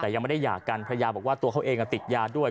แต่ยังไม่ได้หย่ากันภรรยาบอกว่าตัวเขาเองติดยาด้วย